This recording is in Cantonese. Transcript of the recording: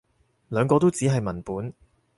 兩個都只係文本